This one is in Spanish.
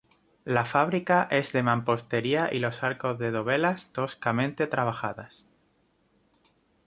La fábrica es de mampostería y los arcos de dovelas toscamente trabajadas.